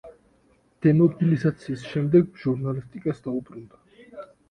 დემობილიზაციის შემდეგ ჟურნალისტიკას დაუბრუნდა.